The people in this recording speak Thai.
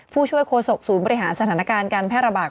ผู้ช่วยโฆษกศูนย์บริหารสถานการณ์การแพร่ระบาด